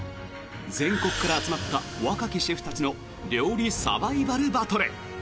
全国から集まった若きシェフたちの料理サバイバルバトル。